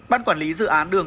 bắt quản lý dự án đường